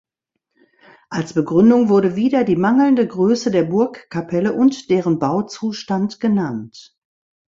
Als Begründung wurde wieder die mangelnde Größe der Burgkapelle und deren Bauzustand genannt.